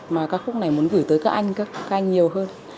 mà ca khúc này muốn gửi tới các anh các ca nhiều hơn